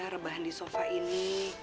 rebahan di sofa ini